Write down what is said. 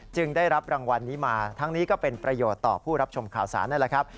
ได้รับรางวัลนี้มาทั้งนี้ก็เป็นประโยชน์ต่อผู้รับชมข่าวสารนั่นแหละครับ